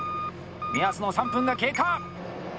目安の３分が経過！